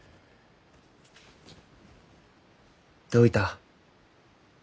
どういた？